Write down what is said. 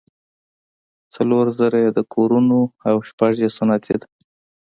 څلور زره یې د کورونو او شپږ یې صنعتي ده.